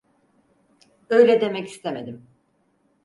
Öyle demek istemedim.